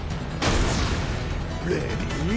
レディー。